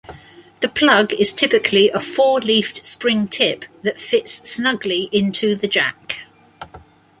The plug is typically a four-leafed spring tip that fits snugly into the jack.